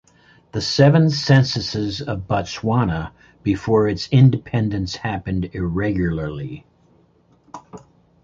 The seven censuses of Botswana before its independence happened irregularly.